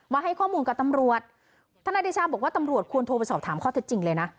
ให้ข้อมูลกับตำรวจทนายเดชาบอกว่าตำรวจควรโทรไปสอบถามข้อเท็จจริงเลยนะ